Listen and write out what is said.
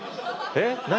えっ何？